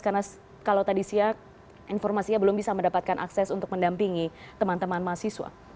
karena kalau tadi siap informasinya belum bisa mendapatkan akses untuk mendampingi teman teman mahasiswa